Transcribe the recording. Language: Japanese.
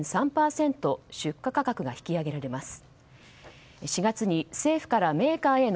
出荷価格が引き上げられます。